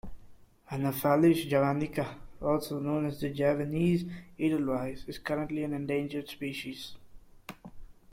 "Anaphalis javanica", also known as the Javanese Edelweiss, is currently an endangered species.